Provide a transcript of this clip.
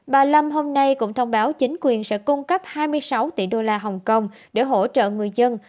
bà lâm hôm nay cũng thông báo chính quyền sẽ cung cấp hai mươi sáu tỷ đô la hồng kông để hỗ trợ người dân